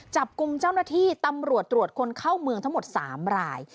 จับกลุ่มเจ้าหน้าที่ตำรวจตรวจคนเข้าเมืองทั้งหมด๓ราย